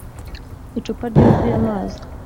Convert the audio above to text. Icupa ryuzuye amazi